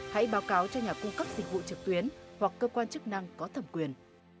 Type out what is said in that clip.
hãy báo cáo cho nhà cung cấp dịch vụ trực tuyến hoặc cơ quan chức năng có thẩm quyền